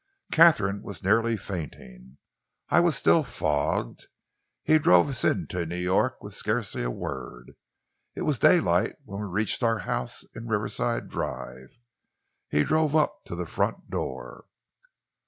Katharine was nearly fainting. I was still fogged. He drove us into New York with scarcely a word. It was daylight when we reached our house in Riverside Drive. He drove up to the front door.